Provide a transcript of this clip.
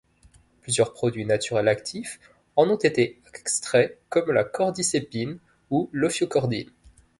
Plusieurs produits naturels actifs en ont été extraits comme la cordycépine ou l'ophiocordine.